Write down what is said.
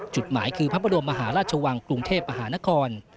จุดหมายคือพระบรมมหาราชวังกรุงเทพมหานคร